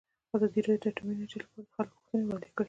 ازادي راډیو د اټومي انرژي لپاره د خلکو غوښتنې وړاندې کړي.